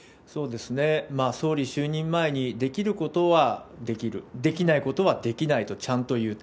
総理就任前にできることはできる、できないことはできないとちゃんと言うと。